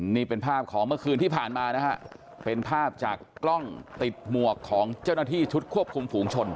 นี่เป็นภาพของเมื่อคืนที่ผ่านมานะฮะเป็นภาพจากกล้องติดหมวกของเจ้าหน้าที่ชุดควบคุมฝูงชน